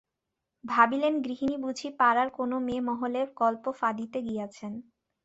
ভাবিলেন গৃহিণী বুঝি পাড়ার কোনো মেয়েমহলে গল্প ফাঁদিতে গিয়াছেন।